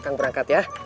akan berangkat ya